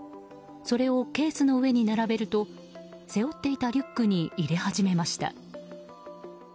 それをケースに並べると背負っていたリュックに入れ始めました。